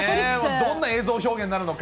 どんな映像表現になるのか。